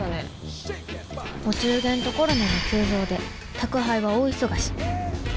お中元とコロナの急増で宅配は大忙し。